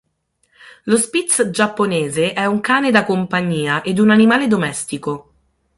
Lo Spitz giapponese è un cane da compagnia ed un animale domestico.